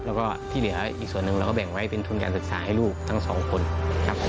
แล้วก็ที่เหลืออีกส่วนหนึ่งเราก็แบ่งไว้เป็นทุนการศึกษาให้ลูกทั้งสองคนครับผม